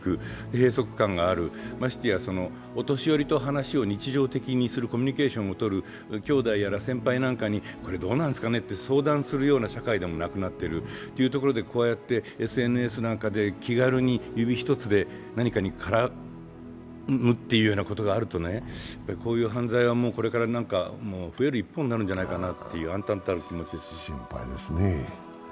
閉塞感がある、ましてやお年寄りと話を日常的にする、コミュニケーションをとる、兄弟やら先輩にこれどうなんですかねと相談するような社会でもなくなっている、そういうところでＳＮＳなどで気軽に指一つで何かに絡むっていうようなことがあるとね、こういう犯罪はこれから増える一方になるんじゃないかという暗たんたる気持ちです。